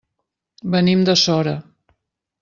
Venim de Sora.